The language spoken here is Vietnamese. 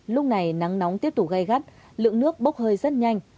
lúc này nắng nóng tiếp tục gây gắt lượng nước bốc hơi rất nhanh